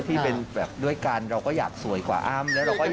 ที่เป็นแบบด้วยกันเราก็อยากสวยกว่าอ้ำ